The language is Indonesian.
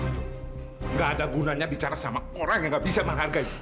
tidak ada gunanya bicara sama orang yang gak bisa menghargai